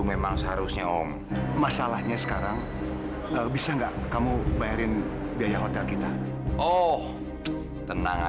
memang seharusnya om masalahnya sekarang bisa enggak kamu bayarin biaya hotel kita oh tenang